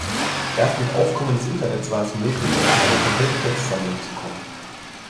Erst mit Aufkommen des Internets war es möglich, an eine komplette Textsammlung zu kommen.